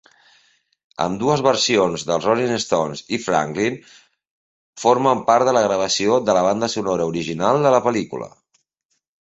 Ambdues versions dels Rolling Stones i Franklin formen part de la gravació de la banda sonora original de la pel·lícula.